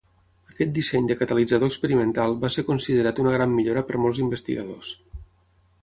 Aquest disseny de catalitzador experimental va ser considerat una gran millora per molts investigadors.